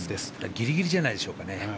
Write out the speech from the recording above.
ギリギリじゃないでしょうかね。